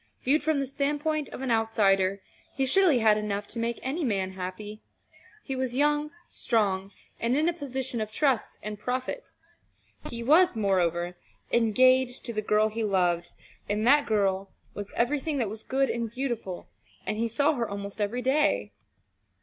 Viewed from the standpoint of an outsider, he surely had enough to make any man happy. He was young, strong, and in a position of trust and profit. He was, moreover, engaged to the girl he loved, and that girl was everything that was good and beautiful, and he saw her almost every day.